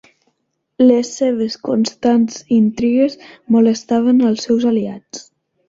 Les seves constants intrigues molestaven als seus aliats.